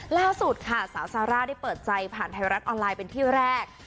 ล่าสุดค่ะสาวซาร่าได้เปิดใจผ่านไทยรัฐออนไลน์เป็นที่แรก